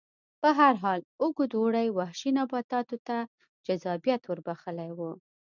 په هر حال اوږد اوړي وحشي نباتاتو ته جذابیت ور بخښلی و